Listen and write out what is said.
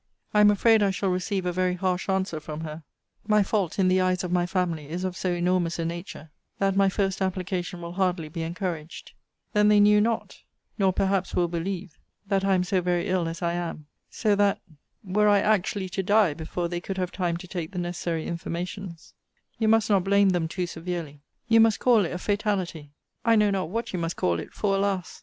I am afraid I shall receive a very harsh answer from her: my fault, in the eyes of my family, is of so enormous a nature, that my first application will hardly be encouraged. Then they know not (nor perhaps will believe) that I am so very ill as I am. So that, were I actually to die before they could have time to take the necessary informations, you must not blame them too severely. You must call it a fatality. I know not what you must call it: for, alas!